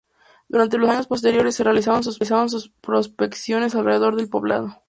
Durante los años posteriores se realizaron prospecciones alrededor del poblado.